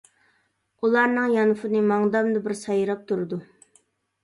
ئۇلارنىڭ يانفونى ماڭدامدا بىر سايراپ تۇرىدۇ.